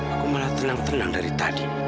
aku malah tenang tenang dari tadi